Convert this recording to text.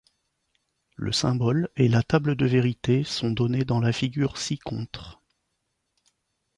Le symbole et la table de vérité sont donnés dans la figure ci-contre.